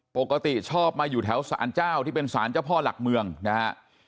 ปกติชอบมาอยู่แถวสารเจ้าที่เป็นสารเจ้าพ่อหลักเมืองนะฮะ